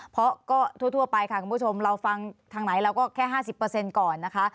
เพราะก็ทั่วไปค่ะคุณผู้ชมเราฟังทางไหนเราก็แค่๕๐ก่อนนะคะ